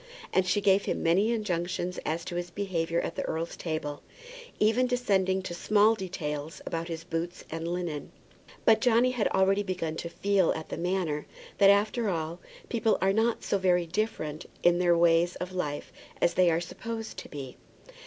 And she gave him many injunctions as to his behaviour at the earl's table, even descending to small details about his boots and linen. But Johnny had already begun to feel at the Manor that, after all, people are not so very different in their ways of life as they are supposed to be.